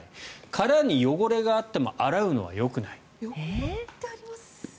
殻に汚れがあっても洗うのはよくない。